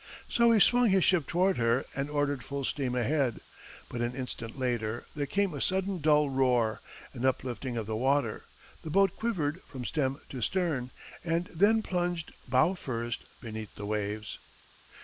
So he swung his ship toward her and ordered full steam ahead; but an instant later, there came a sudden dull roar, an uplifting of the water, the boat quivered from stem to stern, and then plunged, bow first, beneath the waves.